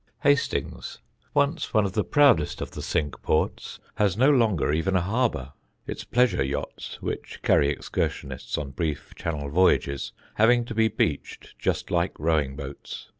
Hastings, once one of the proudest of the Cinque Ports, has no longer even a harbour, its pleasure yachts, which carry excursionists on brief Channel voyages, having to be beached just like rowing boats.